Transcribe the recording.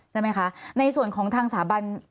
ใช่ไหมคะในส่วนของทางสาบัน